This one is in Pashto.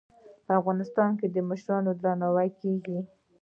په افغانستان کې د مشرانو درناوی کیږي.